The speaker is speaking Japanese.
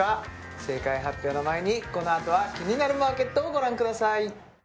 正解発表の前にこのあとは「キニナルマーケット」をご覧ください